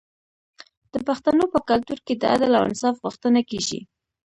د پښتنو په کلتور کې د عدل او انصاف غوښتنه کیږي.